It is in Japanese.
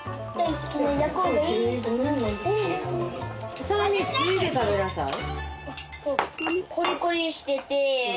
お皿についで食べなさい。